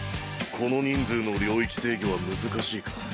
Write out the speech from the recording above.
この人数の領域制御は難しいか。